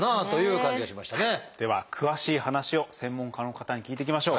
では詳しい話を専門家の方に聞いていきましょう。